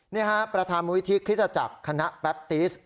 นี่ครับประธามวิทธิคริตตจักรคณะแปปติส